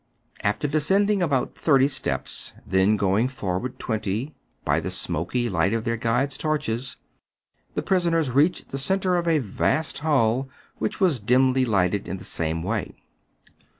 After descending about thirty steps, then going forward twenty, by the smoky light of their guides' torches, the prisoners reached the centre of a vast hall, which was dimly lighted in the same way.